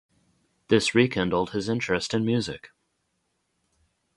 This rekindled his interest in music.